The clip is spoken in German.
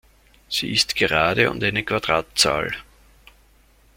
Sie ist gerade und eine Quadratzahl.